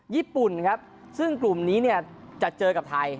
ญี่ปุ่นครับซึ่งกลุ่มนี้เนี่ยจะเจอกับไทย